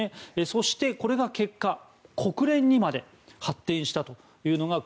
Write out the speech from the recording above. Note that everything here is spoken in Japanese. そして、これが結果国連にまで発展したと。